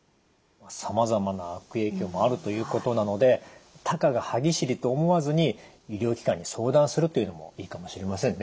さまざまな悪影響もあるということなのでたかが歯ぎしりと思わずに医療機関に相談するというのもいいかもしれませんね。